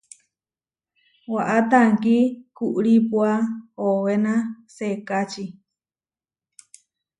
Waʼá tankí kuʼrípua owená sekačí.